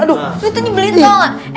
aduh lo itu nyibelin tau gak